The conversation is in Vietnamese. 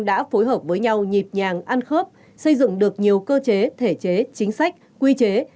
đã phối hợp với nhau nhịp nhàng ăn khớp xây dựng được nhiều cơ chế thể chế chính sách quy chế